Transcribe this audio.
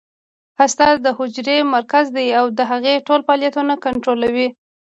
هسته د حجرې مرکز دی او د هغې ټول فعالیتونه کنټرولوي